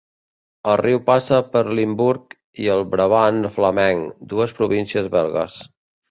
El riu passa per Limburg i el Brabant Flamenc, dues províncies belgues.